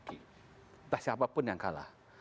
entah siapa pun yang kalah